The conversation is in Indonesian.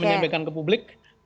menyampaikan ke publik